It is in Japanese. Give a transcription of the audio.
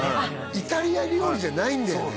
イタリア料理じゃないんだよね